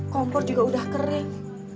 kompor juga udah kering